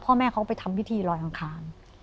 พ่อแม่เขาไปทำพิธีลอยอังคาร